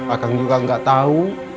akang juga gak tau